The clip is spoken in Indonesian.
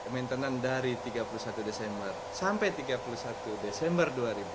maintenance dari tiga puluh satu desember sampai tiga puluh satu desember dua ribu dua puluh